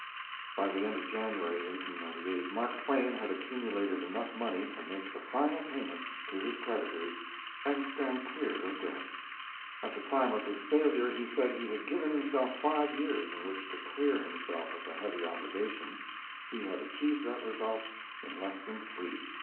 By the end of January, 1898, Mark Twain had accumulated enough money to make the final payment to his creditors and stand clear of debt. At the time of his failure he said he had given himself five years in which to clear himself of the heavy obligation. He had achieved that result in less than three.